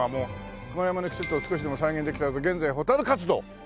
「久我山の季節を少しでも再現できたらと現在ホタル活動を」